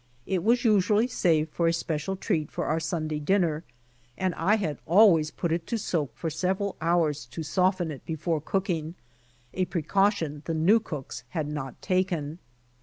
It was usually saved for a special treat for our Sun day dinner, and I had always put it to soak for several hours to soften it before cooking, a precaution the new cooks had not taken.